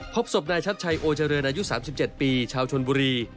พบศพนายชัดชัยโอเจริญอายุ๓๗ปีชาวชนบุรี